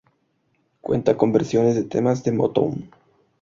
Cuenta con versiones de temas de Motown.